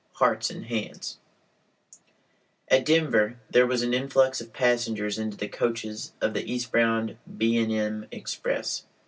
HEARTS AND HANDS At Denver there was an influx of passengers into the coaches on the eastbound B. & M. express.